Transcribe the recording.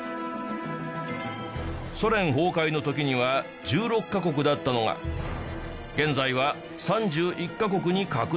ソ連崩壊の時には１６カ国だったのが現在は３１カ国に拡大